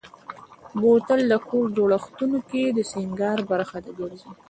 بوتل د کور جوړښتونو کې د سینګار برخه ګرځي.